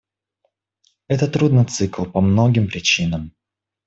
Это трудный цикл по многим причинам.